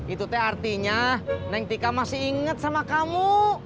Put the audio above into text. itu teh artinya neng tika masih inget sama kamu